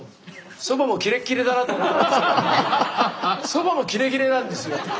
そばもキレッキレなんですよ。